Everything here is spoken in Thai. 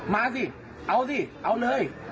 มาสิเอาสิเอาเลย